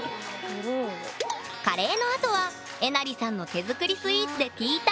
カレーのあとはえなりさんの手作りスイーツでティータイム